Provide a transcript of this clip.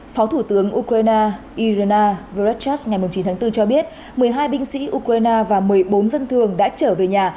phó thủ tướng ukraine irena vechas ngày chín tháng bốn cho biết một mươi hai binh sĩ ukraine và một mươi bốn dân thường đã trở về nhà